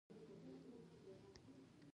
باسواده ښځې د خیریه کارونو ملاتړ کوي.